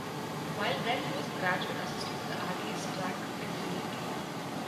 While there he was graduate assistant on the Aggies Track and Field team.